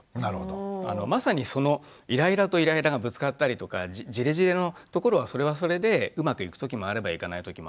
まさにそのイライラとイライラがぶつかったりとかジレジレのところはそれはそれでうまくいく時もあればいかない時もある。